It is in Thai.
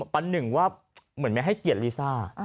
ประหนึ่งว่าเหมือนไม่ให้เกียรติลิซ่า